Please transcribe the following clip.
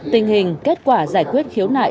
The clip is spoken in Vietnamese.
tình hình kết quả giải quyết khiếu nại